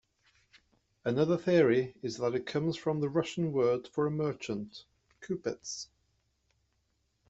Another theory is that it comes from the Russian word for a merchant, "kupets".